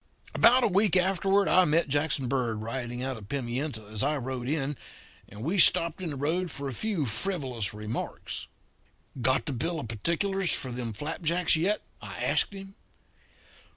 "About a week afterward I met Jackson Bird riding out of Pimienta as I rode in, and we stopped on the road for a few frivolous remarks. "'Got the bill of particulars for them flapjacks yet?' I asked him.